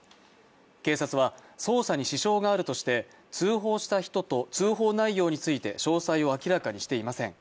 警察は捜査に支障があるとして通報した人と通報内容について詳細を明らかにしていません。